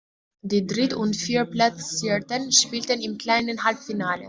Die Dritt- und Viertplatzierten spielten im „kleinen Halbfinale“.